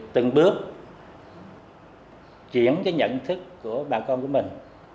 từng bước chuyển cái nhận thức của bà con của mình